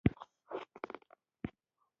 خولۍ د مسجد لپاره مناسب پوښ دی.